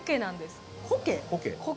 苔。